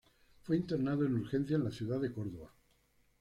Fue internado de urgencia en la ciudad de Córdoba.